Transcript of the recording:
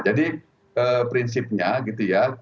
jadi prinsipnya gitu ya